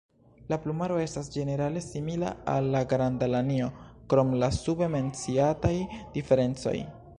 La plumaro estas ĝenerale simila al la Granda lanio krom la sube menciataj diferencoj.